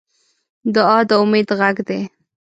دعا د امید غږ دی.